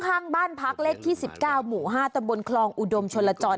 ข้างบ้านพักเลขที่๑๙หมู่๕ตำบลคลองอุดมชนลจร